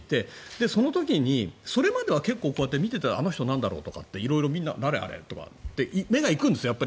その時に、それまでは結構、見ていたあの人なんだろうって色々、誰あれ？って目が行くんですよ。